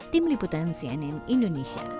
tim liputan cnn indonesia